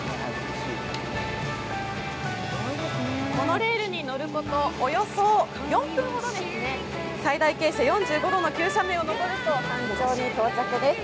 モノレールに乗ることおよそ４分ほどで、最大傾斜４５度の急斜面を登ると山頂に到着です。